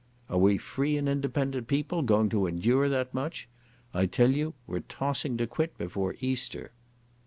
Are we free and independent peoples going to endure that much?... I tell you we're tossing to quit before Easter."